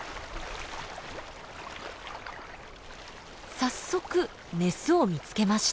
早速メスを見つけました。